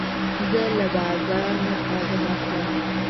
زه له بازار نه صابون اخلم.